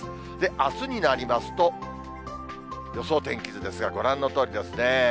あすになりますと、予想天気図ですが、ご覧のとおりですね。